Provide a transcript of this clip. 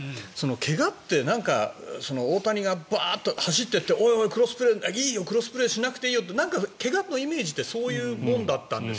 怪我って大谷がバーッと走っていっていいよクロスプレーしなくていいよってなんか怪我のイメージってそういうものだったんです。